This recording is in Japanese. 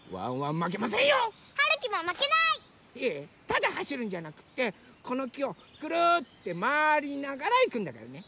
ただはしるんじゃなくってこのきをくるってまわりながらいくんだからね。